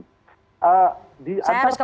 saya harus ke bang taslim